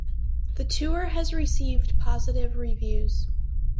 The tour has received positive reviews.